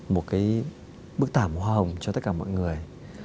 một cái bức tảm hoa hồng cho tất cả mọi người